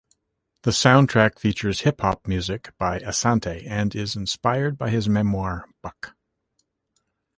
The Soundtrack features hip-hop music by Asante and is inspired by his memoir "Buck".